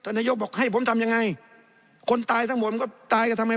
นายกบอกให้ผมทำยังไงคนตายทั้งหมดมันก็ตายกันทำไม